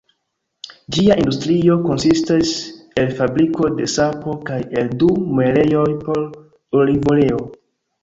Ĝia industrio konsistis el fabriko de sapo kaj el du muelejoj por olivoleo.